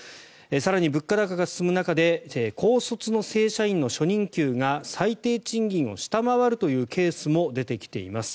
更に物価高が進む中で高卒の正社員の初任給が最低賃金を下回るというケースも出てきています。